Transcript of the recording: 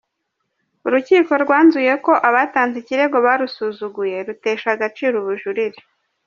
Urukiko rwanzuye ko abatanze ikirego barusuzuguye, rutesha agaciro ubujurire.